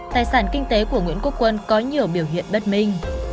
tài sản kinh tế của nguyễn quốc quân có nhiều biểu hiện bất minh